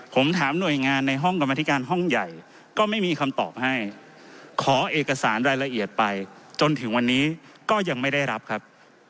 ผมถามหน่วยงานในห้องกรรมธิการห้องใหญ่ก็ไม่มีคำตอบให้ขอเอกสารรายละเอียดไปจนถึงวันนี้ก็ยังไม่ได้รับครับ